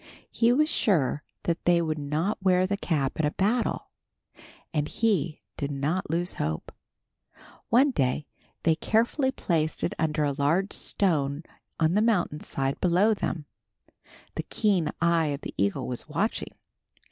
He was sure that they would not wear the cap in battle, and he did not lose hope. One day they carefully placed it under a large stone on the mountain side below them. The keen eye of the eagle was watching.